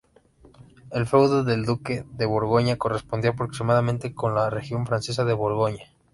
El feudo del duque de Borgoña correspondía aproximadamente con la región francesa de Borgoña.